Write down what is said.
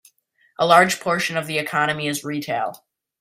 A large portion of the economy is retail.